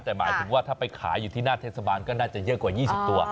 แต่หมายถึงว่าถ้าไปขายอยู่ที่หน้าเทศบาลก็น่าจะเยอะกว่า๒๐ตัว